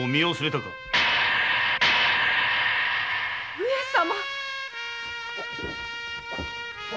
上様！